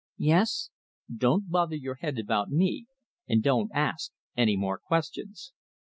"Yes?" "Don't bother your head about me, and don't ask any more questions."